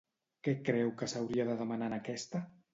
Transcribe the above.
Què creu que s'hauria de demanar en aquesta?